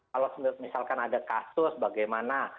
kalau misalkan ada kasus bagaimana